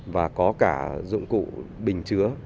và có cả dụng cụ bình chứa